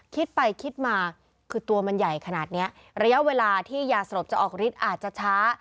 คิดไปคิดมาคือตัวมันใหญ่ขนาดนี้ระยะเวลาที่ยาสลบจะออกฤทธิ์อาจจะช้า